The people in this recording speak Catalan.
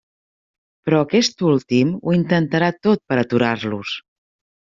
Però aquest últim ho intentarà tot per aturar-los.